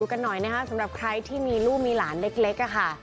กันหน่อยนะคะสำหรับใครที่มีลูกมีหลานเล็กค่ะ